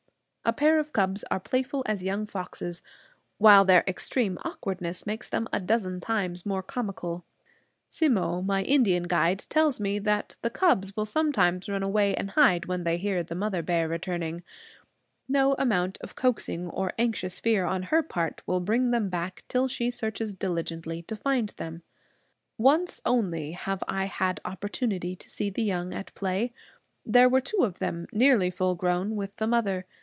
A pair of cubs are playful as young foxes, while their extreme awkwardness makes them a dozen times more comical. Simmo, my Indian guide, tells me that the cubs will sometimes run away and hide when they hear the mother bear returning. No amount of coaxing or of anxious fear on her part will bring them back, till she searches diligently to find them. Once only have I had opportunity to see the young at play. There were two of them, nearly full grown, with the mother.